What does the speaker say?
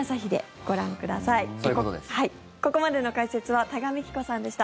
ここまでの解説は多賀幹子さんでした。